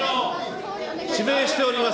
指名しております。